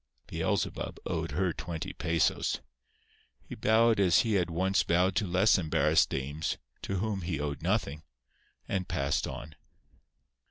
"Beelzebub" owed her twenty pesos. He bowed as he had once bowed to less embarrassed dames to whom he owed nothing, and passed on.